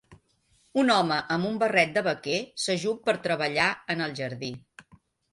Un home amb un barret de vaquer s'ajup per treballar en el jardí.